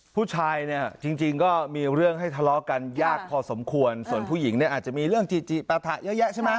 ผู้ชายเนี่ยจริงก็มีเรื่องให้ทะเลาะกันยากพอสมควรส่วนผู้หญิงเนี่ยอาจจะมีเรื่องจิจิปะถะเยอะแยะใช่ไหม